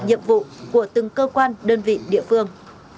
nhiệm vụ của từng cơ quan đơn vị địa phương